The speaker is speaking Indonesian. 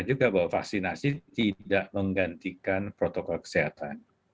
dan juga bahwa vaksinasi tidak menggantikan protokol kesehatan